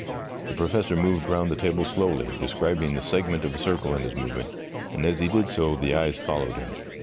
The Professor moved round the table slowly, describing the segment of a circle in his movement, and as he did so the eyes followed him.